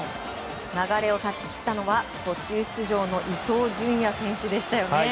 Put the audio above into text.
流れを断ち切ったのは途中出場の伊東純也選手でした。